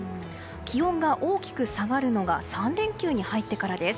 気温が大きく下がるのが３連休に入ってからです。